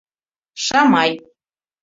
Шамай.